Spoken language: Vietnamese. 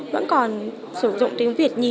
vẫn còn sử dụng tiếng việt nhiều